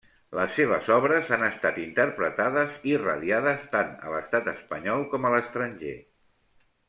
Les seves obres han estat interpretades i radiades tant a l'Estat Espanyol com a l'estranger.